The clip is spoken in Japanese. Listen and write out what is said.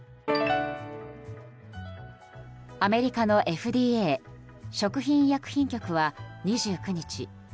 アメリカのＦＤＡ・食品医薬品局は２９日